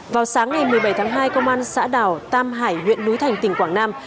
vào sáng ngày một mươi bảy tháng hai công an xã đảo tam hải huyện núi thành tỉnh quảng nam